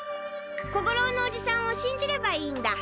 小五郎のおじさんを信じればいいんだ。